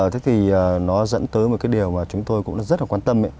thế thì nó dẫn tới một cái điều mà chúng tôi cũng rất là quan tâm